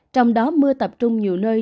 trong đó mưa tập trung nhiều nơi